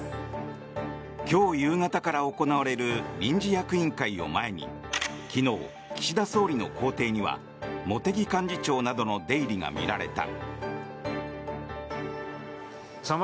今日夕方から行われる臨時役員会を前に昨日、岸田総理の公邸には茂木幹事長などの出入りが見られた。